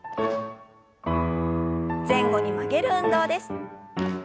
前後に曲げる運動です。